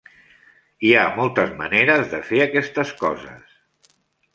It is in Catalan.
Hi ha moltes maneres de fer aquestes coses.